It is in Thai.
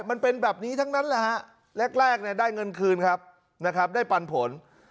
มันเป็นแบบนี้ทั้งนั้นแหละฮะแรกเนี่ยได้เงินคืนครับนะครับได้ปันผล